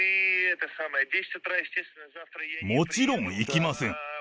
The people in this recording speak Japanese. もちろん、行きません。